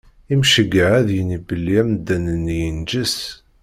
Imceyyeɛ ad yini belli amdan-nni yenǧes.